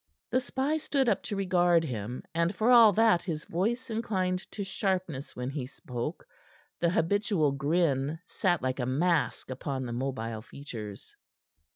The spy stood up to regard him, and for all that his voice inclined to sharpness when he spoke, the habitual grin sat like a mask upon the mobile features.